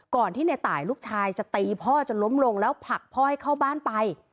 ก่อนที่ในตายลูกชายจะตีพ่อจนล้มลงแล้วผลักพ่อให้เข้าบ้านไป